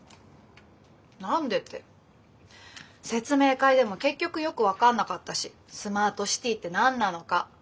何でって説明会でも結局よく分かんなかったしスマートシティって何なのか。